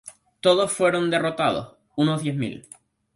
Todos fueron derrotados, unos diez mil.